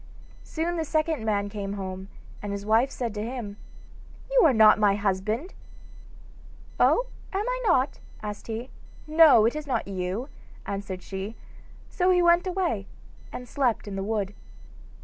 Soon the second man came home, and his wife said to him: 'You are not my husband!' 'Oh, am I not?' asked he. 'No, it is not you,' answered she, so he went away and slept in the wood.